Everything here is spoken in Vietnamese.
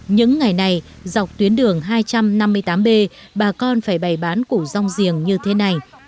những ngày này dọc tuyến đường hai trăm năm mươi tám b bà con phải bày bán củ rong giềng như thế này